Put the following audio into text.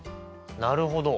なるほど！